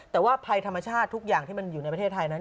แต่ว่าภัยธรรมชาติทุกอย่างที่มันอยู่ในประเทศไทยนั้น